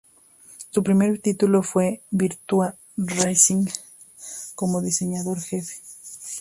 Su primer título fue "Virtua Racing" como diseñador jefe.